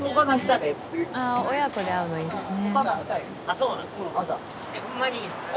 親子で会うのいいですね。